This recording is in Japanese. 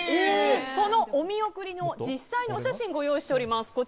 そのお見送りの実際のお写真ご用意しております。